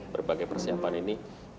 berbagai persiapan ini